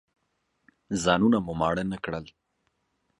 ځانونه مو ماړه نه کړل.